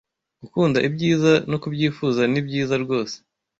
Gukunda ibyiza no kubyifuza ni byiza rwose